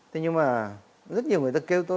thế nhưng mà rất nhiều người ta kêu tôi